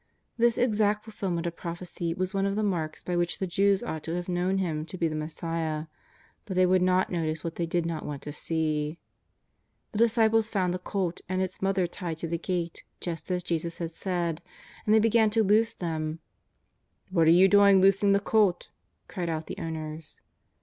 This exact fulfilment of prophecy was one of the marks by which the Jews ought to have kno's^Ti Him to be the Messiah, but they would not notice what they did not want to see. The disciples found the colt and its mother tied to the gate just as Jesus had said, and they began to loose them. '' What are you doing loosing the colt ?" cried out the owTiers.